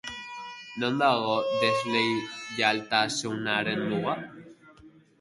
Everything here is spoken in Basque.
Non dago desleialtasunaren muga?